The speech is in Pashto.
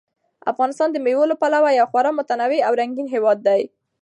افغانستان د مېوو له پلوه یو خورا متنوع او رنګین هېواد دی.